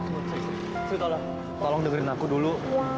tolong dengerin aku dulu